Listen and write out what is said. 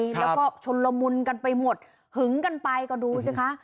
แล้วก็ชนละมุนกันไปหมดหึงกันไปก็ดูสิคะ